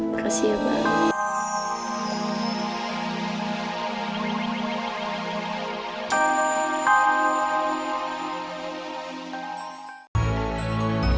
makasih ya bang